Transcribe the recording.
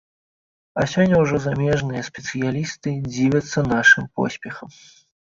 А сёння ўжо замежныя спецыялісты дзівяцца нашым поспехам.